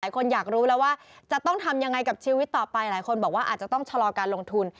คนอยากรู้แล้วว่าจะต้องทำยังไงกับชีวิตต่อไปหลายคนบอกว่าอาจจะต้องชะลอการลงทุน